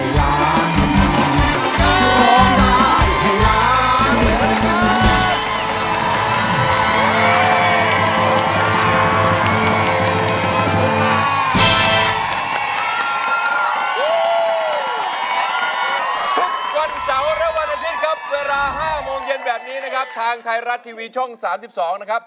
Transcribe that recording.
ร้องได้ให้ล้าน